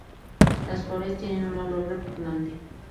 Las flores tienen un olor repugnante.